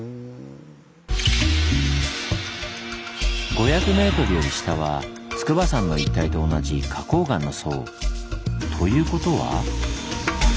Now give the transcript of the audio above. ５００ｍより下は筑波山の一帯と同じ花こう岩の層。ということは。